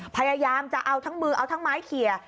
พยายามจะเอาทั้งมือเอาทั้งไม้เขีย